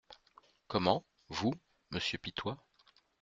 Comment !… vous, monsieur Pitois ?